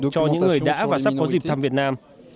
cho những người đã và sắp có dịp thăm việt nam